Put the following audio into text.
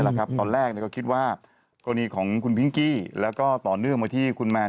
ตอนแรกก็คิดว่ากรณีของคุณพิงกี้แล้วก็ต่อเนื่องมาที่คุณแมน